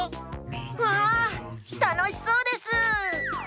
わあたのしそうです！